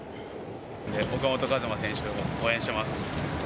岡本和真選手を応援しています。